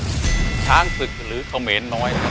ช้างศึกหรือเขาเหม็นน้อย